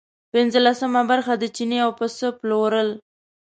پنځلسمه برخه د چیني او پسه پلورل.